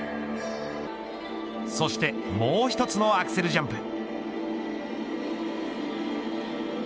そしてもう一つのアクセルジャンプ。